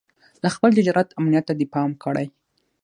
د خپل تجارت امنيت ته دې پام کړی.